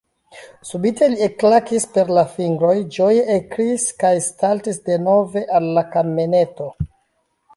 Subite li ekklakis per la fingroj, ĝoje ekkriis kaj saltis denove al la kameneto.